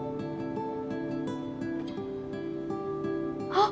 あっ！